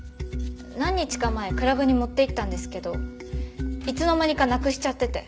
何日か前クラブに持っていったんですけどいつの間にかなくしちゃってて。